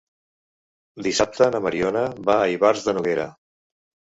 Dissabte na Mariona va a Ivars de Noguera.